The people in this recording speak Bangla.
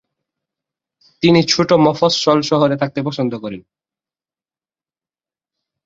তিনি ছোট মফস্বল শহরে থাকতে পছন্দ করতেন।